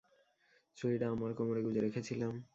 ছুরিটা আমার কোমরে গুঁজে রেখেছিলাম।